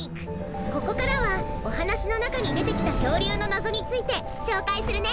ここからはおはなしのなかにでてきたきょうりゅうのなぞについてしょうかいするね。